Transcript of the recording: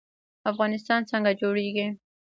افغانستان څنګه جوړیږي؟